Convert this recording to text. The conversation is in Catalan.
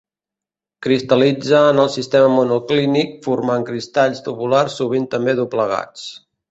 Cristal·litza en el sistema monoclínic, formant cristalls tabulars, sovint també doblegats.